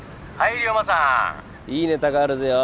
いいネタがあるぜよ。